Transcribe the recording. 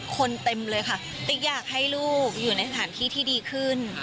เต็มเลยค่ะติ๊กอยากให้ลูกอยู่ในสถานที่ที่ดีขึ้น